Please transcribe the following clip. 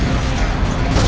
rayus rayus sensa pergi